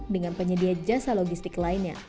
dengan penyedia jasa logistik lainnya